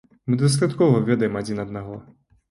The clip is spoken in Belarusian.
Мы дастаткова ведаем адзін аднаго.